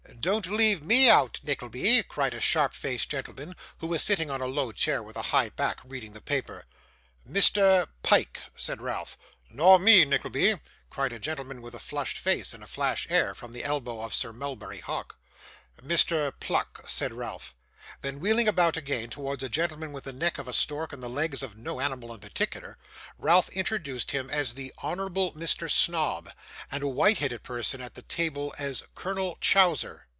'Don't leave me out, Nickleby,' cried a sharp faced gentleman, who was sitting on a low chair with a high back, reading the paper. 'Mr. Pyke,' said Ralph. 'Nor me, Nickleby,' cried a gentleman with a flushed face and a flash air, from the elbow of Sir Mulberry Hawk. 'Mr. Pluck,' said Ralph. Then wheeling about again, towards a gentleman with the neck of a stork and the legs of no animal in particular, Ralph introduced him as the Honourable Mr. Snobb; and a white headed person at the table as Colonel Chowser.